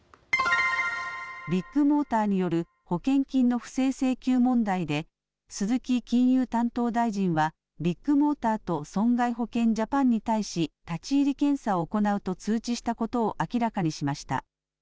ビッグモーターによる保険金の不正請求問題で鈴木金融担当大臣はビッグモーターと損害保険ジャパンに対し立ち入り検査を行うと通知したことを明らかにしました。